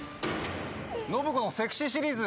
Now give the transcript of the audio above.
信子のセクシーシリーズ。